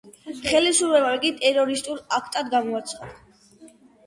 ხელისუფლებამ იგი ტერორისტულ აქტად გამოაცხადა.